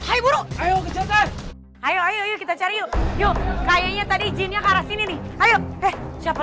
ayo buruk ayo kejar ayo ayo kita cari yuk yuk kayaknya tadi jinnya keras ini nih ayo eh siapa